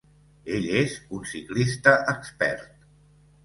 Ell és un ciclista expert.